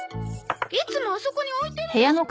いつもあそこに置いてるでしょ？